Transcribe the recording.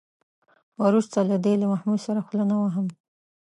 وروسته له دې له محمود سره خوله نه وهم.